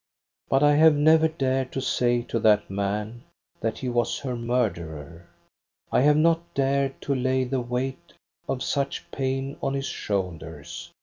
But I have never dared to say to that man that he was her murderer. I have not dared to lay the weight of such pain on his shoulders.